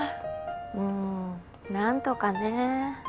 うん何とかね。